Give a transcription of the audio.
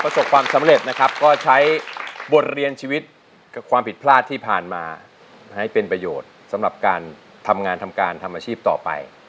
ความสำเร็จนะครับก็ใช้บทเรียนชีวิตกับความผิดพลาดที่ผ่านมาให้เป็นประโยชน์สำหรับการทำงานทำการทำอาชีพต่อไป